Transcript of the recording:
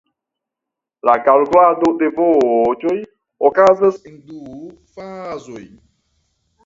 La kalkulado de voĉoj okazas en du fazoj.